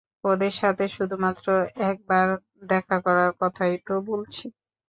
ওদের সাথে শুধুমাত্র একবার দেখা করার কথাই তো বলছি।